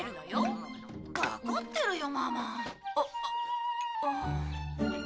わかってるよママ。